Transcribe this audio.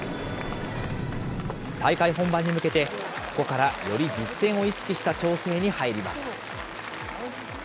大会本番に向けて、ここからより実戦を意識した調整に入ります。